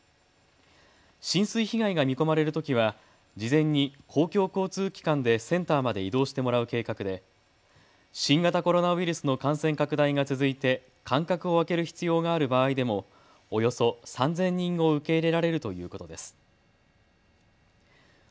浸水被害が見込まれるときは事前に公共交通機関でセンターまで移動してもらう計画で新型コロナウイルスの感染拡大が続いて間隔を空ける必要がある場合でもおよそ３０００人を受け入れられるということです。